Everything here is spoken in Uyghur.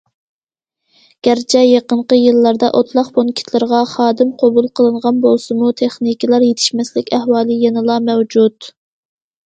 گەرچە يېقىنقى يىللاردا ئوتلاق پونكىتلىرىغا خادىم قوبۇل قىلىنغان بولسىمۇ، تېخنىكلار يېتىشمەسلىك ئەھۋالى يەنىلا مەۋجۇت.